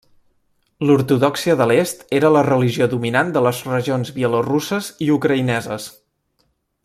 L'Ortodòxia de l'est era la religió dominant de les regions bielorusses i ucraïneses.